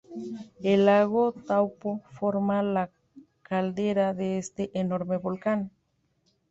El lago Taupo forma la caldera de este enorme volcán.